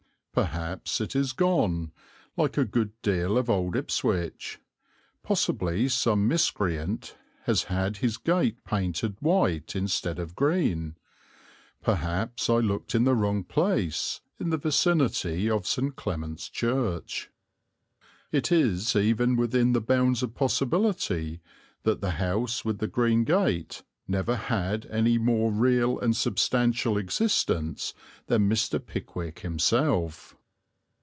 Perhaps it is gone, like a good deal of old Ipswich; possibly some miscreant has had his gate painted white instead of green; perhaps I looked in the wrong place, in the vicinity of St. Clement's Church. It is even within the bounds of possibility that the house with the green gate never had any more real and substantial existence than Mr. Pickwick himself.